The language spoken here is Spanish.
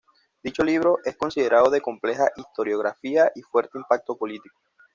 Dicho libro es considerado de compleja historiografía y fuerte impacto político.